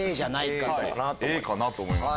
Ａかなと思います。